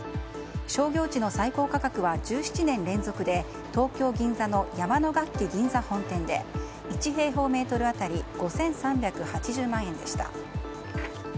商業地の最高価格は１７年連続で東京・銀座の山野楽器銀座本店で１平方メートル当たり５３８０万円でした。